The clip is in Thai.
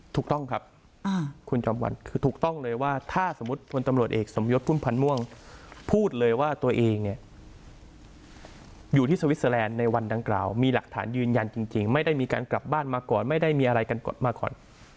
ถูกต้องครับคุณจอมวันคือถูกต้องเลยว่าถ้าสมมุติพลตำรวจเอกสมยศพุ่มพันธ์ม่วงพูดเลยว่าตัวเองเนี่ยอยู่ที่สวิสเตอร์แลนด์ในวันดังกล่าวมีหลักฐานยืนยันจริงไม่ได้มีการกลับบ้านมาก่อนไม่ได้มีอะไรกันมาก่อน